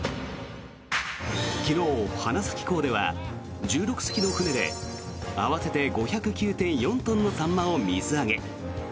昨日、花咲港では１６隻の船で合わせて５０９．４トンのサンマを水揚げ。